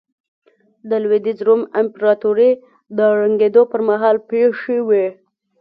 د لوېدیځ روم امپراتورۍ د ړنګېدو پرمهال پېښې وې